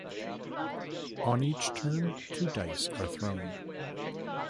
On each turn two dice are thrown.